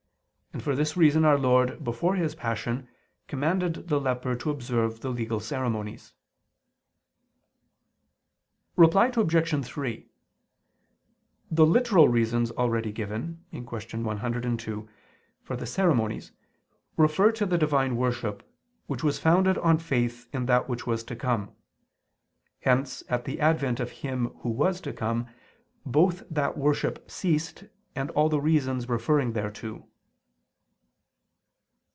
And for this reason Our Lord, before His Passion, commanded the leper to observe the legal ceremonies. Reply Obj. 3: The literal reasons already given (Q. 102) for the ceremonies refer to the divine worship, which was founded on faith in that which was to come. Hence, at the advent of Him Who was to come, both that worship ceased, and all the reasons referring thereto.